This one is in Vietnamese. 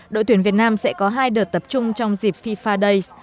đội tuyển việt nam sẽ có hai đợt tập trung trong dịp fifa days